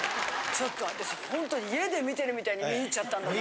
ちょっと私ほんと家で見てるみたいに見入っちゃったんだけど。